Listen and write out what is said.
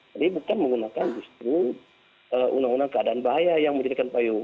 jadi bukan menggunakan justru undang undang keadaan bahaya yang menjadikan payung